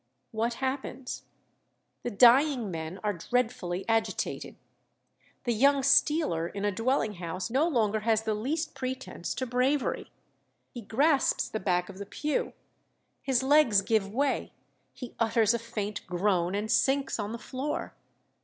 What happens? The dying men are dreadfully agitated. The young stealer in a dwelling house no longer has the least pretence to bravery. He grasps the back of the pew, his legs give way, he utters a faint groan, and sinks on the floor.